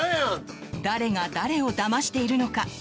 誰が誰をだましているのか。